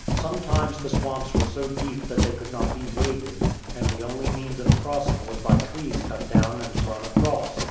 Sometimes the swamps were so deep that they could not be waded, and the only means of crossing was by trees cut down and thrown across.